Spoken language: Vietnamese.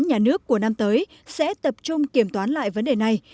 chính phủ của năm tới sẽ tập trung kiểm toán lại vấn đề này